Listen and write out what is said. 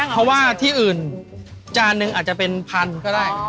เพราะว่าที่อื่นจานนึงอาจจะเป็นพันก็ได้